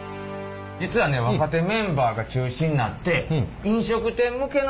実はね若手メンバーが中心になってそれがこちらなんですけど。